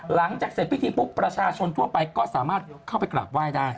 หลังจากเสร็จพิธีปุ๊บประชาชนทั่วไปก็สามารถเข้าไปกราบไหว้ได้